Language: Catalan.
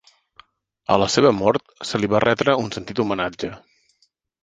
A la seva mort se li va retre un sentit homenatge.